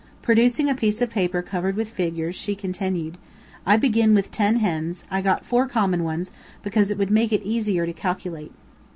Producing a piece of paper covered with figures, she continued: "I begin with ten hens I got four common ones, because it would make it easier to calculate.